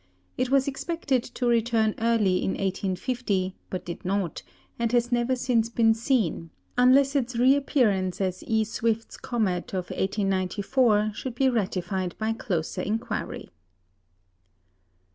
It was expected to return early in 1850, but did not, and has never since been seen; unless its re appearance as E. Swift's comet of 1894 should be ratified by closer inquiry.